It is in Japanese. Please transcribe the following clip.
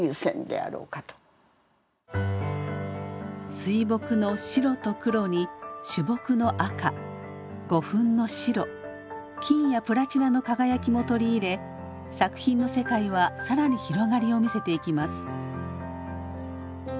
水墨の白と黒に朱墨の赤胡粉の白金やプラチナの輝きも取り入れ作品の世界は更に広がりを見せていきます。